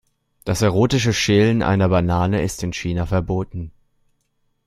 Das erotische Schälen einer Banane ist in China verboten.